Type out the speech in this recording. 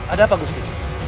ada apa gusti